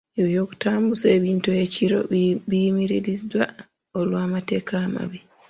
Eby'okutambuza ebintu ekiro biyimiriziddwa olw'amataala amabi.